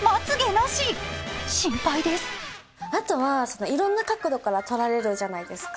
あとはいろんな角度から撮られるじゃないですか。